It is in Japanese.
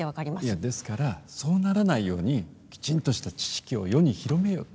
いや、ですからそうならないようにきちんとした知識を世に広めようと。